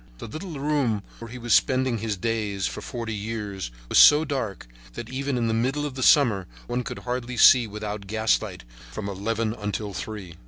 The little room where he had been spending his days for forty years was so dark that even in the middle of summer one could hardly see without gaslight from eleven until three.